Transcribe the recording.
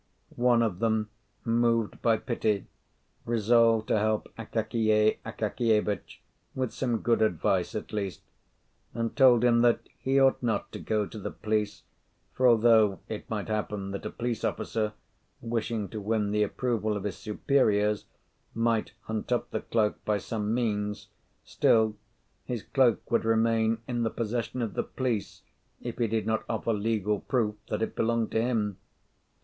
One of them, moved by pity, resolved to help Akakiy Akakievitch with some good advice at least, and told him that he ought not to go to the police, for although it might happen that a police officer, wishing to win the approval of his superiors, might hunt up the cloak by some means, still his cloak would remain in the possession of the police if he did not offer legal proof that it belonged to him.